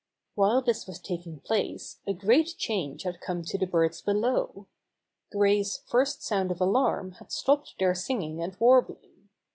While this was taking place, a great change had come to the birds below. Gray's first sound of alarm had stopped their singing and warbling.